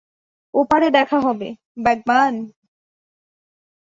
ওপারে দেখা হবে, ব্যাগম্যান।